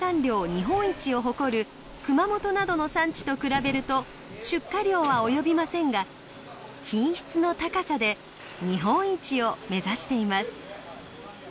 日本一を誇る熊本などの産地と比べると出荷量は及びませんが品質の高さで日本一を目指しています。